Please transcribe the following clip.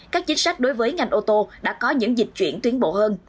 các chính sách đối với ngành ô tô đã có những dịch chuyển tuyến bộ hơn